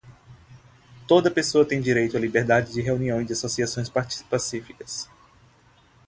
Toda a pessoa tem direito à liberdade de reunião e de associação pacíficas.